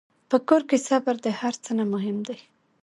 په کور کې صبر د هر څه نه مهم دی.